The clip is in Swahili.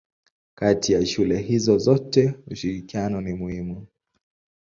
Kati ya shule hizo zote ushirikiano ni muhimu.